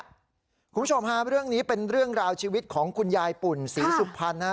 คุณผู้ชมฮะเรื่องนี้เป็นเรื่องราวชีวิตของคุณยายปุ่นศรีสุพรรณนะฮะ